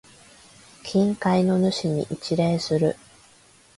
近海の主に一礼する。